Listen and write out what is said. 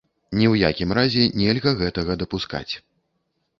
Ні ў якім разе нельга гэтага дапускаць.